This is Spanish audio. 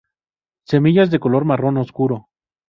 Semillas de color marrón oscuro.